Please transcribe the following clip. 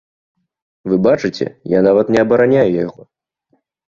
Вы бачыце, я нават не абараняю яго.